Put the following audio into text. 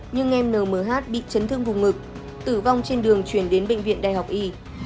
nhưng em nhh bị chấn thương vùng ngực tử vong trên đường chuyển đến bệnh viện đại học y